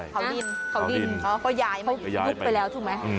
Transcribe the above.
เขาดินเขายายไปแล้วถูกไหม